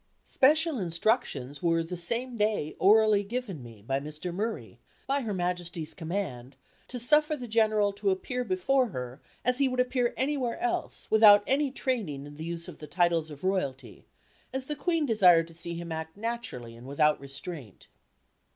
Special instructions were the same day orally given me by Mr. Murray, by Her Majesty's command, to suffer the General to appear before her, as he would appear anywhere else, without any training in the use of the titles of royalty, as the Queen desired to see him act naturally and without restraint.